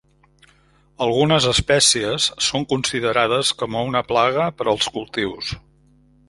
Algunes espècies són considerades com a una plaga per als cultius.